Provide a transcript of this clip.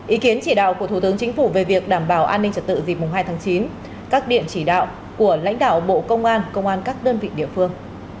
ý kiến chỉ đạo của thủ tướng chính phủ về việc đảm bảo an ninh trật tự dịp hai tháng chín các điện chỉ đạo của lãnh đạo bộ công an công an các đơn vị địa phương